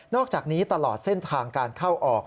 อกจากนี้ตลอดเส้นทางการเข้าออก